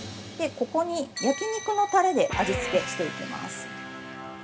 ◆ここに焼き肉のタレで味つけしていきます。